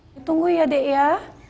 ditunggu ya dek ya